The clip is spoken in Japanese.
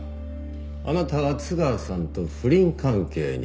あなたは津川さんと不倫関係にあった。